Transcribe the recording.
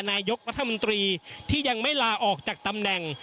นายกรัฐมนตรีที่ยังไม่ลาออกจากตำแหน่ง